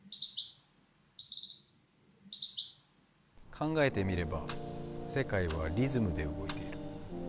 考えてみれば世界はリズムで動いている。